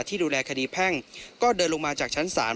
ที่ดูแลคดีแพ่งก็เดินลงมาจากชั้นศาล